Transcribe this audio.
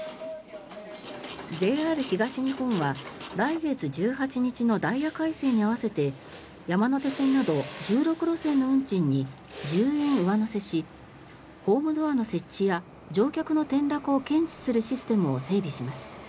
ＪＲ東日本は、来月１８日のダイヤ改正に合わせて山手線など１６路線の運賃に１０円上乗せしホームドアの設置や乗客の転落を検知するシステムを整備します。